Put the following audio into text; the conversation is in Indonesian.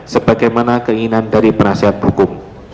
sebagaimana keinginan dari penasihat hukum